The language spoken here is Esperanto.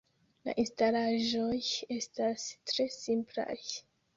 La instalaĵoj estas tre simplaj.